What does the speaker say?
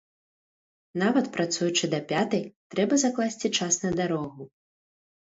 Нават працуючы да пятай, трэба закласці час на дарогу.